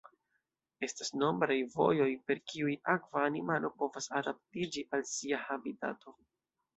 Estas nombraj vojoj per kiuj akva animalo povas adaptiĝi al sia habitato.